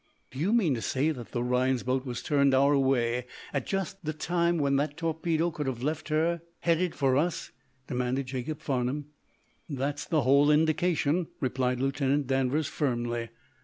"Do you mean to say that the Rhinds boat was turned our way at just the time when that torpedo could have left her, headed for us?" demanded Jacob Farnum. "That's the whole indication," replied Lieutenant Danvers, firmly.